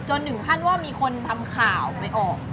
ถึงขั้นว่ามีคนทำข่าวไปออก